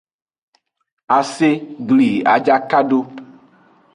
Ase gli ajaka do.